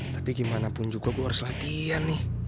tapi gimana pun juga gue harus latihan nih